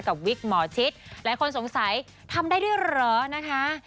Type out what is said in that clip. วิกหมอชิดหลายคนสงสัยทำได้ด้วยเหรอนะคะ